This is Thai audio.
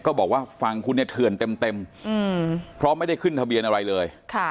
บอกว่าฝั่งคุณเนี่ยเถื่อนเต็มเพราะไม่ได้ขึ้นทะเบียนอะไรเลย